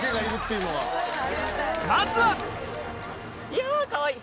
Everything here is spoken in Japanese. まずは！